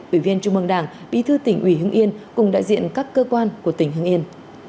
ủy viên trung mương đảng bí thư tỉnh ủy hưng yên cùng đại diện các cơ quan của tỉnh hưng yên